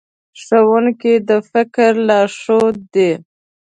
ښوونکي د فکر لارښود دي.